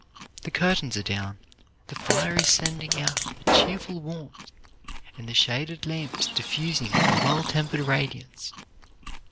The curtains are down, the fire is sending out a cheerful warmth and the shaded lamps diffusing a well tempered radiance.